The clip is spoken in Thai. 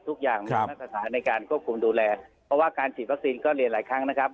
ทุกอย่างมีมาตรฐานในการควบคุมดูแลเพราะว่าการฉีดวัคซีนก็เรียนหลายครั้งนะครับ